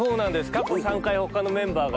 過去３回他のメンバーが。